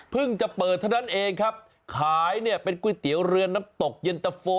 จะเปิดเท่านั้นเองครับขายเนี่ยเป็นก๋วยเตี๋ยวเรือน้ำตกเย็นตะโฟ